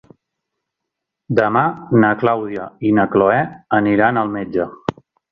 Demà na Clàudia i na Cloè aniran al metge.